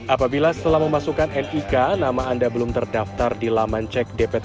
apabila setelah memasukkan nik nama anda akan terdapat di dalam kartu keluarga anda